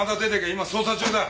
今捜査中だ。